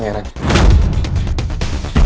gue sih mahess pangeran